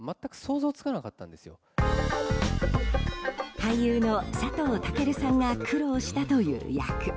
俳優の佐藤健さんが苦労したという役。